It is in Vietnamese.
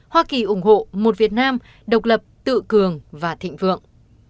hoa kỳ ủng hộ một việt nam độc lập tự cường và thịnh vượng